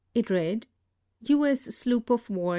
It read: " T. S. sloop of war Z)